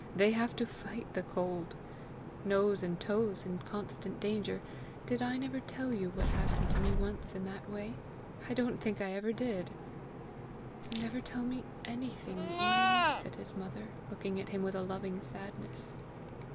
They have to fight the cold! Nose and toes are in constant danger. Did I never tell you what happened to me once in that way? I don't think I ever did!" "You never tell me anything, Ian!" said his mother, looking at him with a loving sadness.